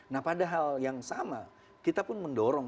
nah padahal yang sama kita pun mendorong